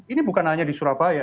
ini bukan hanya di surabaya